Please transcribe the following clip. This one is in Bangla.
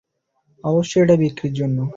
অবশ্যই এটা বিক্রির জন্য।